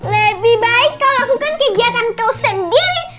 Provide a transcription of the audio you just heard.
lebih baik kau lakukan kegiatan kau sendiri